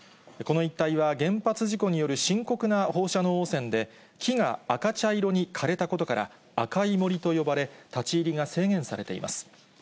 この一帯は原発事故による深刻な放射能汚染で、木が赤茶色に枯れたことから、赤い森と呼ばれ、立ち入りが制限されています。